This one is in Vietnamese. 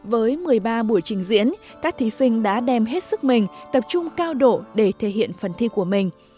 với một mươi ba buổi trình diễn các thí sinh đã đem hết sức mình tập trung cao độ để thể hiện phần thi của mình